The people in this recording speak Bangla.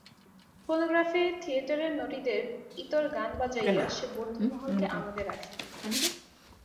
ফোনোগ্রাফে থিয়েটারের নটীদের ইতর গান বাজাইয়া সে বন্ধুমহলকে আমোদে রাখে।